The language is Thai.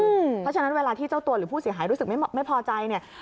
เพราะฉะนั้นเวลาที่เจ้าตัวหรือผู้เสียหายรู้สึกไม่พอใจเนี่ย